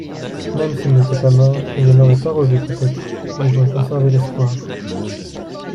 Même s'il n'était pas mort, je ne l'aurais pas revu peut-être, mais j'aurais conservé l'espoir.